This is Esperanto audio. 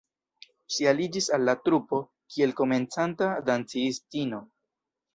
Ŝi aliĝis al la trupo, kiel komencanta dancistino.